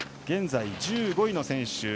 現在１５位の選手